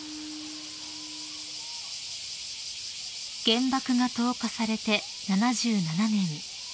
［原爆が投下されて７７年］